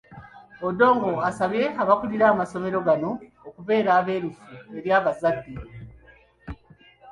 Odongo asabye abakulira amasomero gano okubeera abeerufu eri abazadde.